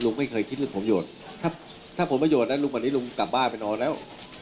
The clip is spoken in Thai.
ลุงไม่เคยคิดถึงความโยชน์ถ้าถ้าความประโยชน์แล้วลุงวันนี้ลุงกลับบ้านไปนอนแล้ว